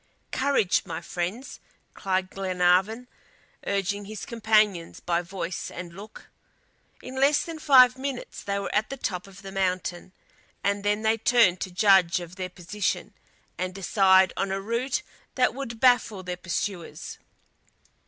"Courage! my friends," cried Glenarvan, urging his companions by voice and look. In less than five minutes they were at the top of the mountain, and then they turned to judge of their position, and decide on a route that would baffle their pursuers.